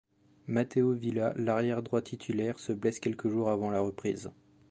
Matteo Villa, l'arrière droit titulaire, se blesse quelques jours avant la reprise.